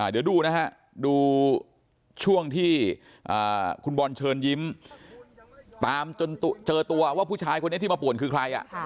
เดี๋ยวดูนะฮะดูช่วงที่คุณบอลเชิญยิ้มตามจนเจอตัวว่าผู้ชายคนนี้ที่มาป่วนคือใคร